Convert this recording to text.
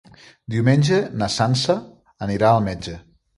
Diumenge na Sança anirà al metge.